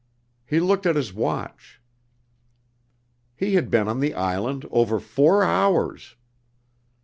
He looked at his watch. He had been on the island over four hours!